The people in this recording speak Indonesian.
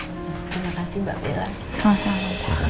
terima kasih mbak belan